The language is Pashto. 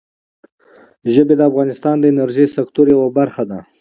ژبې د افغانستان د انرژۍ سکتور یوه برخه ده.